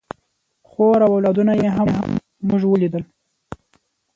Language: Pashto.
خور او اولادونه یې هم موږ ولیدل.